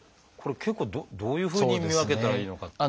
これは結構どういうふうに見分けたらいいのか。